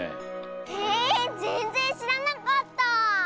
へえぜんぜんしらなかった！